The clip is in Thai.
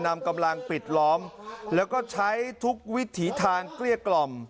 นำกำลังปิดล้อมแล้วก็ใช้ทุกวิถีทางเกลี้ยกล่อม